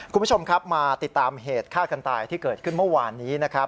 คุณผู้ชมครับมาติดตามเหตุฆ่ากันตายที่เกิดขึ้นเมื่อวานนี้นะครับ